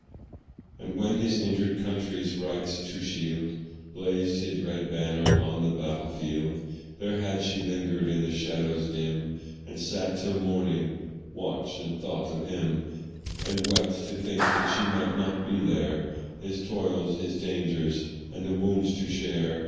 And when his injured country's rights to shield, Blazed his red banner on the battle field, There had she lingered in the shadows dim, And sat till morning watch and thought of him; And wept to think that she might not be there, His toils, his dangers, and his wounds to share.